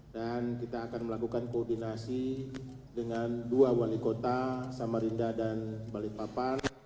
dan kita akan melakukan koordinasi dengan dua wali kota samarinda dan balikpapan